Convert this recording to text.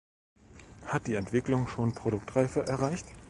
Hat die Entwicklung schon Produktreife erreicht?